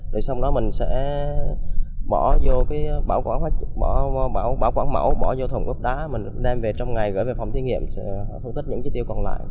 rồi sau đó mình sẽ bỏ vô bảo quản mẫu bỏ vô thùng gốc đá mình đem về trong ngày gửi về phòng thiên nghiệm phân tích những chi tiêu còn lại